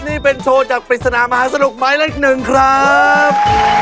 นี่เป็นโชว์จากปริศนามหาสนุกหมายเลขหนึ่งครับ